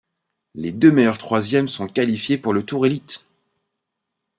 Les deux meilleurs troisièmes sont qualifiés pour le tour Élite.